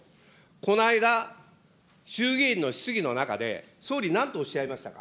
この間、衆議院の質疑の中で、総理、なんとおっしゃいましたか。